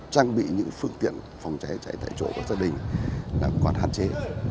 trang bị những phương tiện phòng cháy chữa cháy tại chỗ của gia đình còn hạn chế